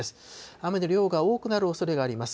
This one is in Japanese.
雨の量が多くなるおそれがあります。